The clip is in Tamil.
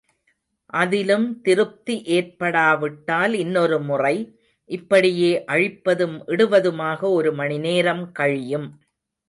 அதிலும் திருப்தி ஏற்படாவிட்டால் இன்னொரு முறை... இப்படியே அழிப்பதும் இடுவதுமாக ஒரு மணி நேரம் கழியும்.